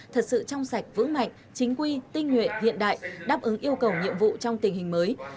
thật sự trong sạch vững mạnh chính quy tinh nguyện hiện đại đáp ứng yêu cầu nhiệm vụ trong tình hình mới